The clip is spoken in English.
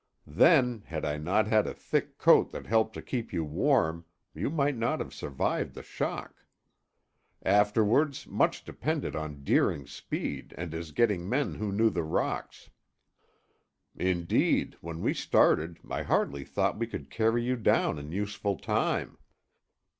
Then, had I not had a thick coat that helped to keep you warm, you might not have survived the shock. Afterwards much depended on Deering's speed and his getting men who knew the rocks. Indeed, when we started I hardly thought we could carry you down in useful time."